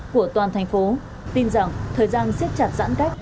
của toàn thành phố tin rằng thời gian siết chặt giãn cách